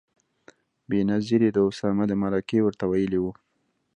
بېنظیرې د اسامه د مرکې ورته ویلي و.